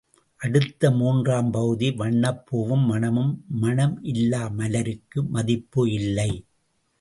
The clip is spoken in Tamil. அடுத்து மூன்றாம் பகுதி வண்ணப் பூவும் மணமும் மணம் இல்லா மலருக்கு மதிப்பு இல்லை.